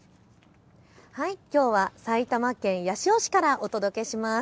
きょうは埼玉県八潮市からお届けします。